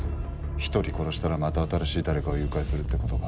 １人殺したらまた新しい誰かを誘拐するってことか。